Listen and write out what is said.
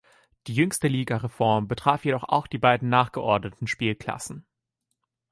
Die jüngste Ligareform betraf jedoch auch die beiden nachgeordneten Spielklassen.